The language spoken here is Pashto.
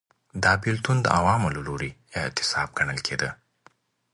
دا بېلتون د عوامو له لوري اعتصاب ګڼل کېده.